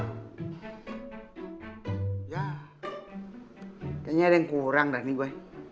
kayaknya ada yang kurang dah nih gue